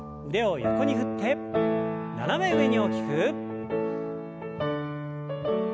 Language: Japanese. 腕を横に振って斜め上に大きく。